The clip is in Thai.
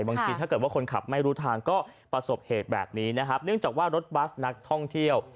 ถ้าเกิดว่าคนขับไม่รู้ทางก็ประสบเหตุแบบนี้นะครับเนื่องจากว่ารถบัสนักท่องเที่ยว